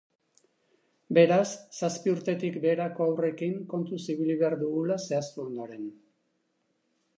Beraz, zazpi urtetik beherako haurrekin kontuz ibili behar dugula zehaztu ondoren.